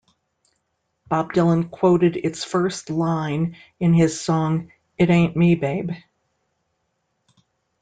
Bob Dylan quoted its first line in his song It Ain't Me Babe.